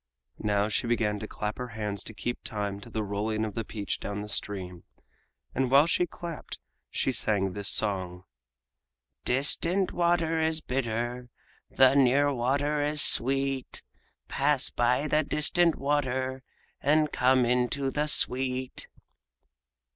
Now she began to clap her hands to keep time to the rolling of the peach down stream, and while she clapped she sang this song: "Distant water is bitter, The near water is sweet; Pass by the distant water And come into the sweet."